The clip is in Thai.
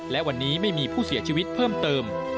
และวันนี้ไม่มีผู้เสียชีวิตเพิ่มเติม